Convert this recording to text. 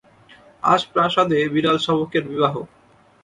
আজ প্রাসাদে বিড়াল-শাবকের বিবাহ।